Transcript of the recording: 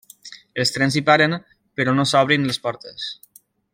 Els trens hi paren, però no s'obren les portes.